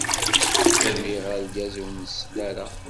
Cbiɣ argaz ur nsell ara.